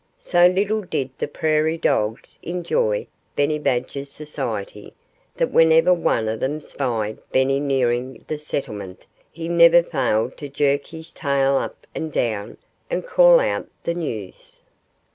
So little did the prairie dogs enjoy Benny Badger's society that whenever one of them spied Benny nearing the settlement he never failed to jerk his tail up and down and call out the news.